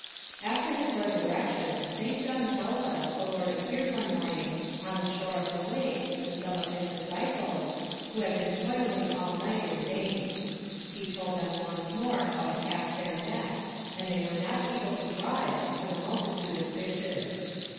After his resurrection, St John tells us the Lord appeared one morning, on the shore of the lake, to some of his disciples, who had again been toiling all night in vain. He told them once more how to cast their net, and they were not able to draw it for the multitude of fishes.